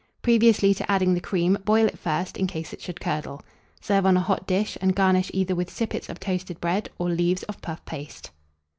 Previously to adding the cream, boil it first, in case it should curdle. Serve on a hot dish, and garnish either with sippets of toasted bread or leaves of puff paste.